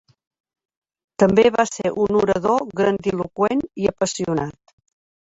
També va ser un orador grandiloqüent i apassionat.